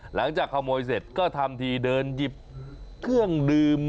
หลังจากขโมยเสร็จก็ทำทีเดินหยิบเครื่องดื่ม